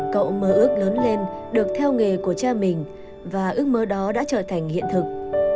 cậu mơ ước lớn lên được theo nghề của cha mình và ước mơ đó đã trở thành hiện thực